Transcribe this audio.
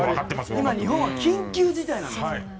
今、日本は緊急事態なんですから。